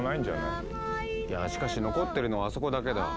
いやしかし残ってるのはあそこだけだ。